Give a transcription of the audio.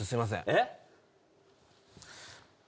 えっ？